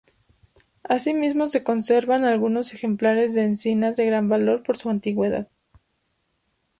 Asimismo, se conservan algunos ejemplares de encinas de gran valor por su antigüedad.